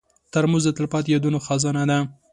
ترموز د تلپاتې یادونو خزانه ده.